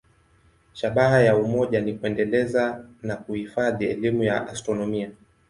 Shabaha ya umoja ni kuendeleza na kuhifadhi elimu ya astronomia.